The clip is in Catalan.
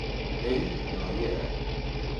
Ell no hi era.